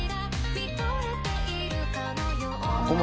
「見惚れているかのような」